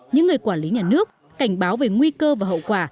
những người quản lý nhà nước cảnh báo về nguy cơ và hậu quả